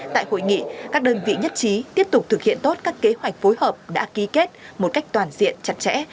tại hội nghị các đơn vị nhất trí tiếp tục thực hiện tốt các kế hoạch phối hợp đã ký kết một cách toàn diện chặt chẽ